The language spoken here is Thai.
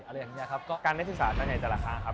อะไรอย่างนี้ครับก็การได้ศึกษาเจ้าใหญ่เจรคาครับ